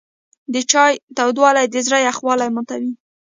د چای تودوالی د زړه یخوالی ماتوي.